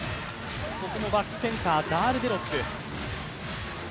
ここもバックセンター、ダールデロップ。